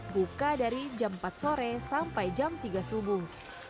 buka dari jam empat sore sampai jam tiga subuh